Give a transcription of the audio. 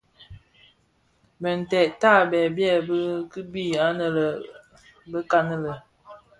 Bintèd tabèè byèbi kimbi anë bekan lè.